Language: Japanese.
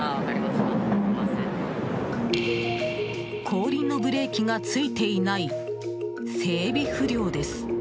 後輪のブレーキがついていない整備不良です。